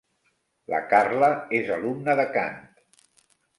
La Carla és alumna de cant.